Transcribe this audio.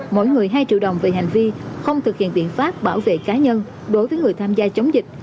mỗi người hai triệu đồng về hành vi không thực hiện biện pháp bảo vệ cá nhân đối với người tham gia chống dịch